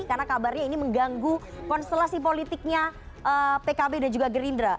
karena kabarnya ini mengganggu konstelasi politiknya pkb dan juga gerindra